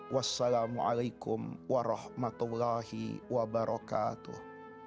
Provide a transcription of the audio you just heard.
wassalamualaikum warahmatullahi wabarakatuh